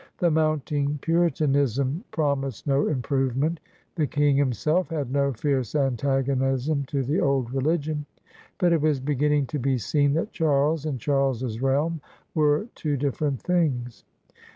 The mounting Puritanism prom ised no improvement. The King himself had no fierce antagonism to the old religion, but it was beginning to be seen that Charles and Charles's realm were two different things.